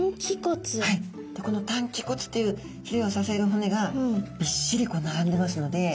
この担鰭骨っていうひれを支える骨がびっしり並んでますので。